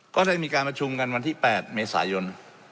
ก็ได้มีการประชุมกันวันที่๘เมษายน